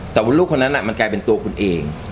แต่ว่าลูกคนนั้นมันกลายเป็นตัวคุณเอง